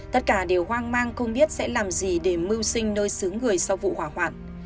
tất cả đều hoang mang không biết sẽ làm gì để mưu sinh nơi xứ người sau vụ hỏa hoạn